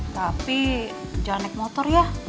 tapi jangan naik motor ya